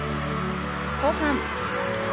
交換。